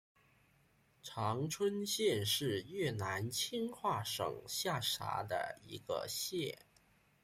常春县是越南清化省下辖的一个县。